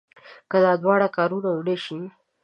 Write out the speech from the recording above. که دا دواړه کارونه ونه شي.